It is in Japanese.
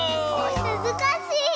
むずかしい！